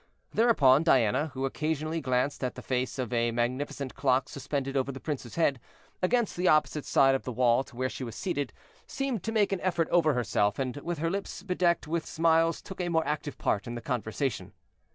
Thereupon Diana, who occasionally glanced at the face of a magnificent clock suspended over the prince's head, against the opposite side of the wall to where she was seated, seemed to make an effort over herself, and with her lips bedecked with smiles took a more active part in the conversation.